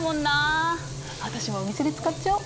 私もお店で使っちゃおう！